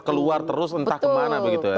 keluar terus entah kemana begitu ya